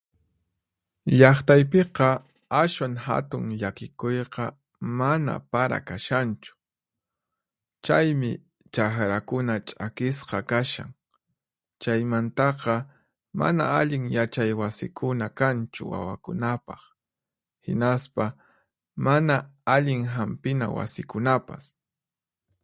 Llaqtaypiqa ashwan hatun llakikuyqa mana para kashanchu, chaymi chaqrakuna ch'akisqa kashan. Chaymantaqa, mana allin yachaywasikuna kanchu wawakunapaq, hinaspa mana allin Hampina wasikunapas.